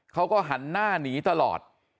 เขาก็หันหน้าหนีตลอด